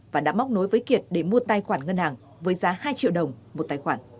và đã móc nối với kiệt để mua tài khoản ngân hàng với giá hai triệu đồng một tài khoản